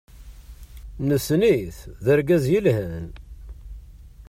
Nessen-it, d argaz yelhan.